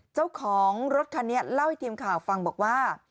เจ้าของรถคันนี้เล่าให้ทีมข่าวฟังบอกว่า